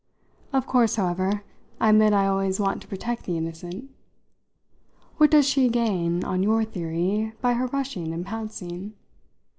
Of course, however, I admit I always want to protect the innocent. What does she gain, on your theory, by her rushing and pouncing?